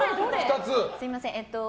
すみません。